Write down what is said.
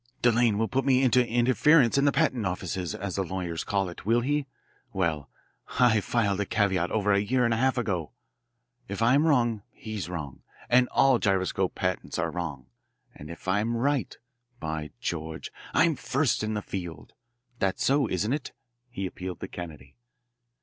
Delanne will put me into 'interference' in the patent office, as the lawyers call it, will he? Well, I filed a 'caveat' over a year and a half ago. If I'm wrong, he's wrong, and all gyroscope patents are wrong, and if I'm right, by George, I'm first in the field. That's so, isn't it?" he appealed to Kennedy.